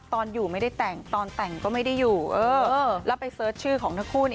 ตอนอยู่ไม่ได้แต่งตอนแต่งก็ไม่ได้อยู่แล้วไปเสิร์ชชื่อของทั้งคู่